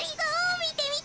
みてみて！